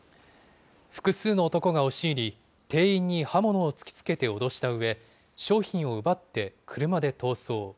複数の男が押し入り、店員に刃物を突きつけて脅したうえ、商品を奪って車で逃走。